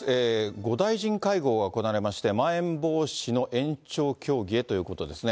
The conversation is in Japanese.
５大臣会合が行われまして、まん延防止の延長協議へということですね。